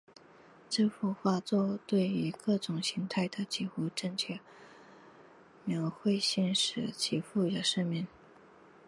这幅画作对于各种形态的几乎正确描绘性使其负有盛名。